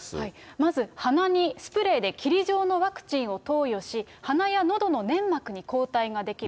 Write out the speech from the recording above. まず鼻にスプレーで霧状のワクチンを投与し、鼻やのどの粘膜に抗体が出来る。